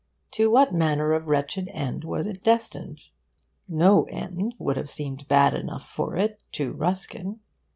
To what manner of wretched end was it destined? No end would have seemed bad enough for it to Ruskin.